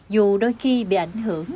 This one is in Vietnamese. dù đôi khi bị ảnh hưởng